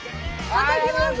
また来ます！